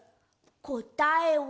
こたえは。